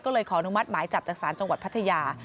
ก็เลยขออนุมัติหมายจับจากศาลจังหวัดพัทยา